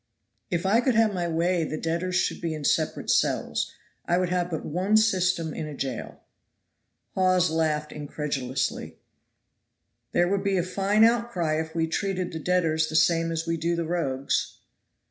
"If I could have my way the debtors should be in separate cells. I would have but one system in a jail." Hawes laughed incredulously. "There would be a fine outcry if we treated the debtors the same as we do the rogues."